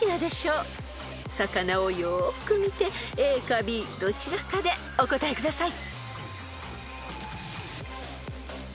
［魚をよく見てＡかＢどちらかでお答えください］